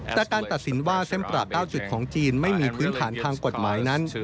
แต่การตัดสินว่าเส้นประ๙จุดของจีนไม่มีพื้นฐานทางกฎหมายนั้น